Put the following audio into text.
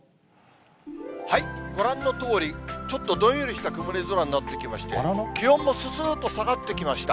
ご覧のとおり、ちょっとどんよりした曇り空になってきまして、気温もすすーっと下がってきました。